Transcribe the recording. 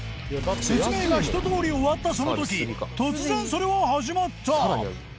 説明がひととおり終わったその時突然それは始まった